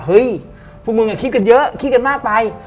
เฮ้ยพวกมึงคิดกันเยอะคิดกันมากไป